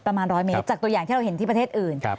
ประมาณ๑๐๐เมตรจากตัวอย่างที่เราเห็นที่ประเทศอื่น